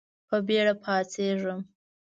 په بېړه پاڅېږم .